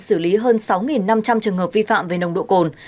xử lý hơn sáu năm trăm linh trường hợp vi phạm về nồng độ cồn